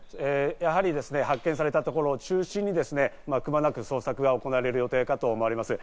やはり発見されたところを中心にくまなく捜索が行われる予定かと思われます。